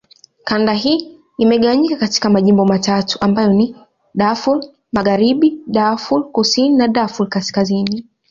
Kanda hii imegawanywa katika majimbo matatu ambayo ni: Darfur Magharibi, Darfur Kusini, Darfur Kaskazini.